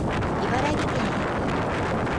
茨城県へ行く